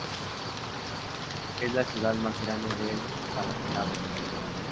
Es la ciudad más grande del Palatinado.